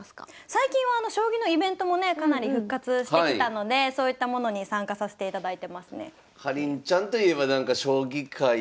最近は将棋のイベントもねかなり復活してきたのでそういったものに参加させていただいてますね。